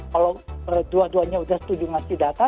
kalau dua duanya sudah setuju ngasih data